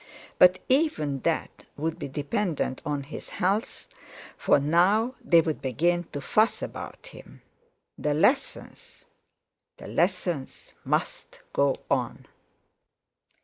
But even that would be dependent on his health, for now they would begin to fuss about him. The lessons! The lessons must go on!